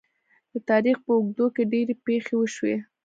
د تاریخ په اوږدو کې ډیرې پېښې وشوې.